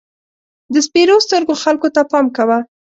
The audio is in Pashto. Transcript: د سپېرو سترګو خلکو ته پام کوه.